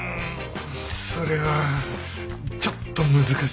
それはちょっと難しいんだよな。